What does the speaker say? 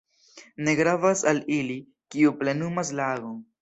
Ne gravas al ili, kiu plenumas la agon.